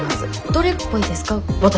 どれっぽいですか？